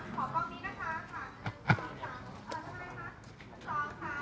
ขอขอบคุณหน่อยนะคะ